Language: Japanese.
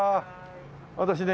私ね